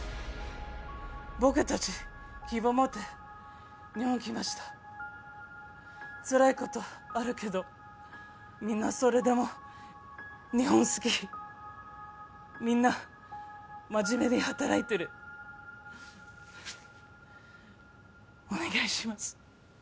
僕達希望持って日本来ましたつらいことあるけどみんなそれでも日本好きみんな真面目に働いてるお願いします